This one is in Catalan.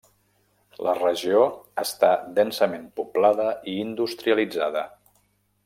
La regió està densament poblada i industrialitzada.